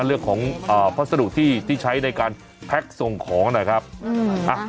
เรื่องของอ่าพัสดุที่ที่ใช้ในการแพ็คส่งของนะครับอืมอ่ะ